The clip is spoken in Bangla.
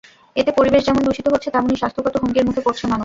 এতে পরিবেশ যেমন দুষিত হচ্ছে, তেমনি স্বাস্থ্যগত হুমকির মুখে পড়ছে মানুষ।